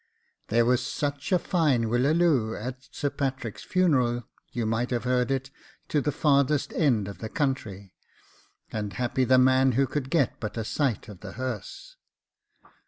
There was 'such a fine whillaluh at Sir Patrick's funeral, you might have heard it to the farthest end of the county, and happy the man who could get but a sight of the hearse.